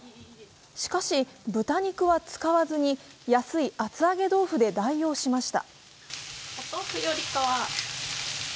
しかし、豚肉は使わずに、安い厚揚げ豆腐で代用しました。